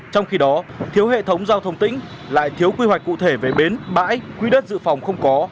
trong khi đó thiếu hệ thống giao thông tỉnh lại thiếu quy hoạch cụ thể về bến bãi quy đất dự phòng không có